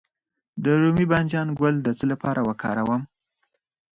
د رومي بانجان ګل د څه لپاره وکاروم؟